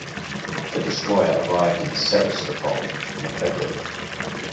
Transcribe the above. The destroyer arrived in Sevastopol in February.